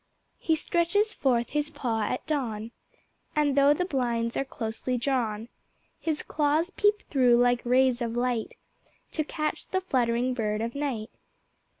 He stretches forth his paw at dawn And though the blinds are closely drawn His claws peep through like Rays of Light, To catch the fluttering Bird of Night.